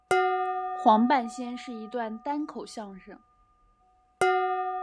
黄半仙是一段单口相声。